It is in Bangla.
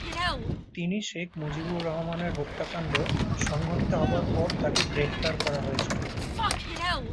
তিনি শেখ মুজিবুর রহমানের হত্যাকাণ্ড সংঘটিত হবার পর তাকে গ্রেফতার করা হয়েছিল।